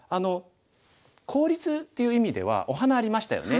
効率っていう意味ではお花ありましたよね。